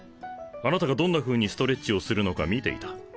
あなたがどんなふうにストレッチをするのか見ていた。